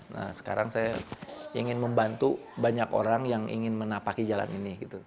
nah sekarang saya ingin membantu banyak orang yang ingin menapaki jalan ini